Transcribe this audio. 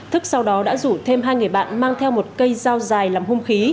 thức sau đó đã rủ thêm hai người bạn mang theo một cây dao dài làm hung khí